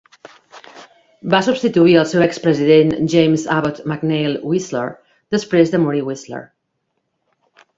Va substituir el seu expresident, James Abbott McNeill Whistler, després de morir Whistler.